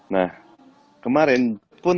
nah kemarin pun